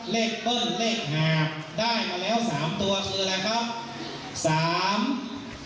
๓๕๓ในกรณีหาบนะครับ